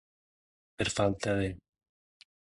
Per falta de.